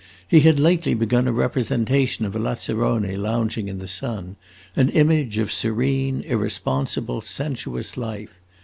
He had lately begun a representation of a lazzarone lounging in the sun; an image of serene, irresponsible, sensuous life.